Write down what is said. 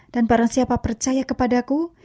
dan barang siapa percaya kepadaku